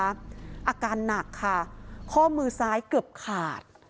อาการหนักค่ะข้อมือซ้ายเกือบขาด